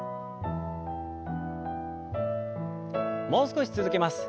もう少し続けます。